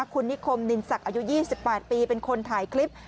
คุณนิคมนินศักดิ์อายุ๒๘ปีเป็นคนถ่ายคลิป